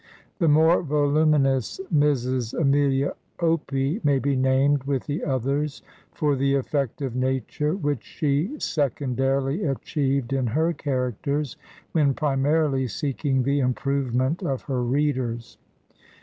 The more voluminous Mrs. Amelia Opie may be named with the others for the effect of nature which she secondarily achieved in her characters when primarily seeking the improvement of her readers.